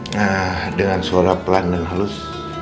nah dengan suara pelan dan halus